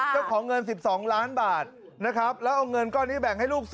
เจ้าของเงิน๑๒ล้านบาทนะครับแล้วเอาเงินก้อนนี้แบ่งให้ลูก